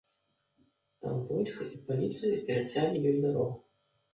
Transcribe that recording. Там войска і паліцыя перацялі ёй дарогу.